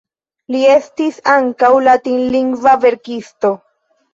Li estis ankaŭ latinlingva verkisto.